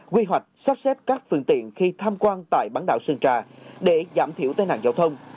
quy hoạch sắp xếp các phương tiện khi tham quan tại bán đảo sơn trà để giảm thiểu tai nạn giao thông